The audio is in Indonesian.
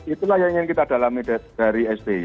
itulah yang ingin kita dalami dari sby